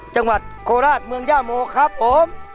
จังหวัดโคราชเมืองย่าโมครับผม